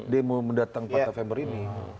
demo mendatang empat november ini